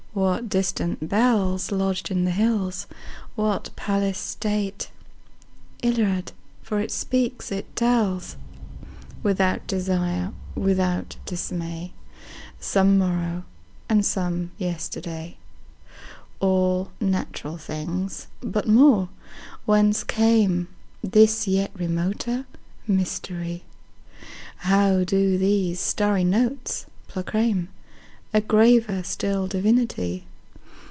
What distant bellsLodged in the hills, what palace stateIllyrian! For it speaks, it tells, Without desire, without dismay, Some morrow and some yesterday. All natural things! But more—Whence cameThis yet remoter mystery? How do these starry notes proclaimA graver still divinity?